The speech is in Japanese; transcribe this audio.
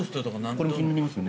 これも気になりますよね。